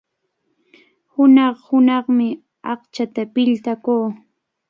Hunaq-hunaqmi aqchanta piltakun.